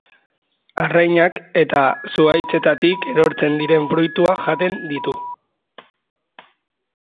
Arrainak eta zuhaitzetatik erortzen diren fruituak jaten ditu.